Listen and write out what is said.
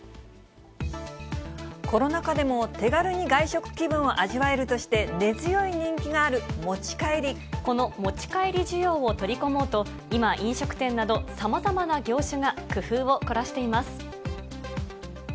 コロナ禍でも手軽に外食気分を味わえるとして、根強い人気がこの持ち帰り需要を取り込もうと、今、飲食店など、さまざまな業種が工夫を凝らしています。